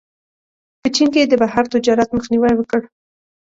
په چین کې یې د بهر تجارت مخنیوی وکړ.